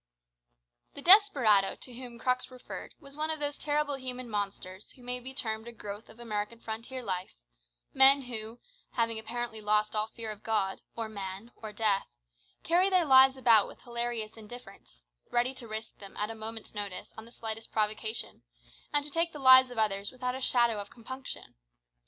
The desperado to whom Crux referred was one of those terrible human monsters who may be termed a growth of American frontier life, men who, having apparently lost all fear of God, or man, or death, carry their lives about with hilarious indifference, ready to risk them at a moment's notice on the slightest provocation, and to take the lives of others without a shadow of compunction.